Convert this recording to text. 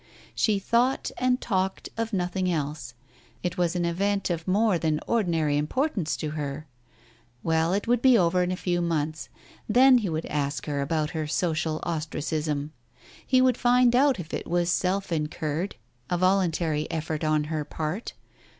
She thought and talked of nothing else. It was an event of more than ordinary importance to her. Well, it would be over in a few months. Then he would ask her about her social ostracism. He would find out if it was self incurred, a voluntary effort on her part